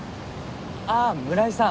ああ村井さん！